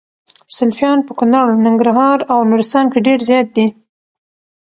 سلفيان په کونړ ، ننګرهار او نورستان کي ډير زيات دي